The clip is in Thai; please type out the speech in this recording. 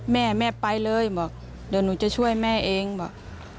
แม่แม่ไปเลยบอกเดี๋ยวหนูจะช่วยแม่เองบอก